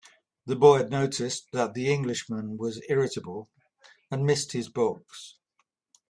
The boy had noticed that the Englishman was irritable, and missed his books.